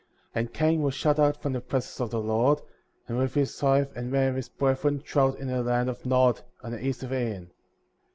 41. And Cain was shut out from the presence of the Lord,« and with his wife and many of his breth ren dwelt in the land of Nod, on the east of Eden.